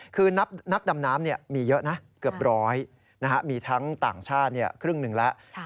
คือนักดำน้ำมีเยอะนะเกือบร้อยมีทั้งต่างชาติครึ่งหนึ่งแล้ว